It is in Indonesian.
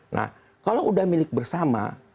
nah kalau udah milik bersama